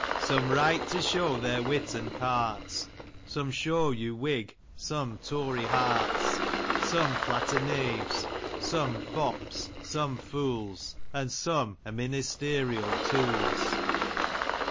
"Some write to show their wit and parts, Some show you whig, some tory hearts, Some flatter knans, some fops, some fools, And some are ministerial tools.